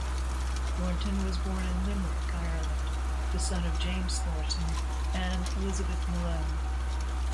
Thornton was born in Limerick, Ireland the son of James Thornton and Elizabeth Malone.